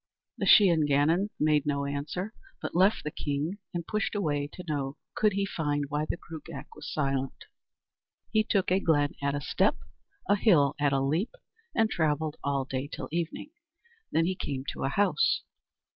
The Shee an Gannon made no answer, but left the king and pushed away to know could he find why the Gruagach was silent. He took a glen at a step, a hill at a leap, and travelled all day till evening. Then he came to a house.